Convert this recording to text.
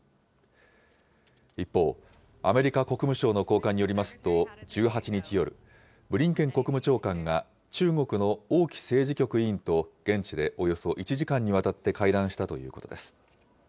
一方、アメリカ国務省の高官によりますと、１８日夜、ブリンケン国務長官が、中国の王毅政治局委員と現地でおよそ１時間にわたって会談したということです。